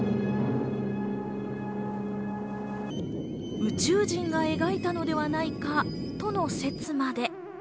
宇宙人が描いたのではないか？との説まで。